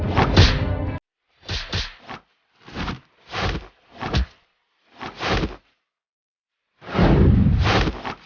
hai aku sembunyikan situar anubaya itu